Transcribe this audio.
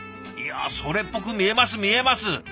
いやそれっぽく見えます見えます。